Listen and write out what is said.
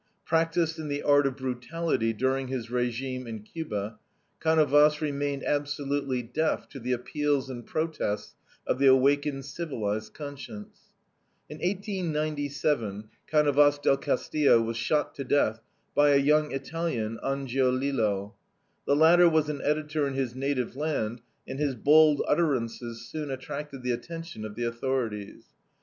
Practiced in the art of brutality during his regime in Cuba, Canovas remained absolutely deaf to the appeals and protests of the awakened civilized conscience. In 1897 Canovas del Castillo was shot to death by a young Italian, Angiolillo. The latter was an editor in his native land, and his bold utterances soon attracted the attention of the authorities.